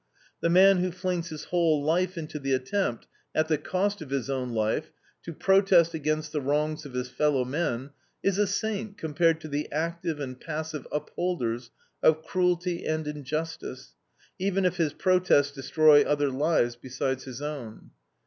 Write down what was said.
The man who flings his whole life into the attempt, at the cost of his own life, to protest against the wrongs of his fellow men, is a saint compared to the active and passive upholders of cruelty and injustice, even if his protest destroy other lives besides his own.